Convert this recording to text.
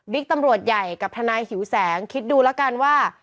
ตำรวจใหญ่กับทนายหิวแสงคิดดูแล้วกันว่า